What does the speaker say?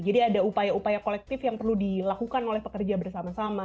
jadi ada upaya upaya kolektif yang perlu dilakukan oleh pekerja bersama sama